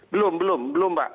belum belum belum pak